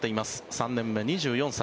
３年目、２４歳。